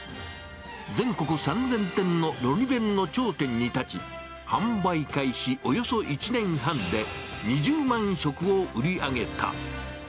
全国３０００店ののり弁の頂点に立ち、販売開始およそ１年半で２０万食を売り上げた。